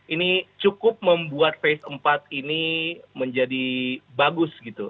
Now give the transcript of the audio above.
ini cukup membuat fase keempat ini menjadi bagus gitu